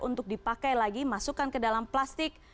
untuk dipakai lagi masukkan ke dalam plastik